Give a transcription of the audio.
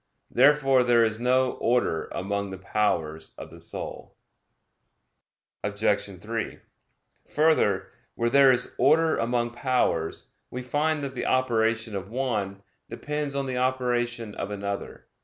Therefore there is no order among the powers of the soul. Obj. 3: Further, where there is order among powers, we find that the operation of one depends on the operation of another.